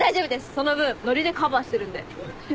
その分ノリでカバーしてるんで。